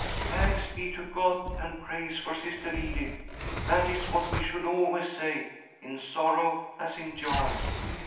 " Thanks be to God and praise for Sister Edith — that is what we should always say, in sorrow as in joy.